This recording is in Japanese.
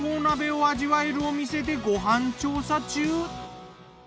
鍋を味わえるお店でご飯調査中。